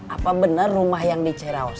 apa bener rumah yang diceraus